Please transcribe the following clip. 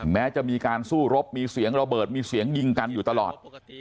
แม้จะมีการสู้รบมีเสียงระเบิดมีเสียงยิงกันอยู่ตลอด